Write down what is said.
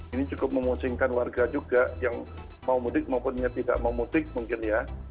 ini cukup memusingkan warga juga yang mau mutik maupun tidak mau mutik mungkin ya